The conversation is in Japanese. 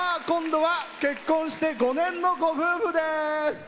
今度は結婚して５年のご夫婦です。